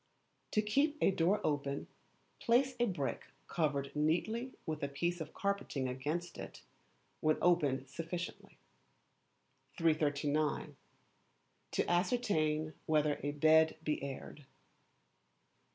To keep a door open, place a brick covered neatly with a piece of carpeting against it, when opened sufficiently. 339. To Ascertain whether a Bed be Aired.